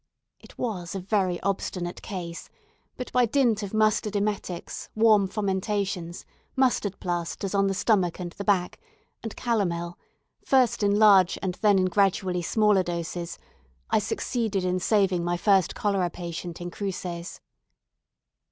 It was a very obstinate case, but by dint of mustard emetics, warm fomentations, mustard plasters on the stomach and the back, and calomel, at first in large then in gradually smaller doses, I succeeded in saving my first cholera patient in Cruces.